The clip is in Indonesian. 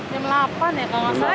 jam delapan ya kalau nggak salah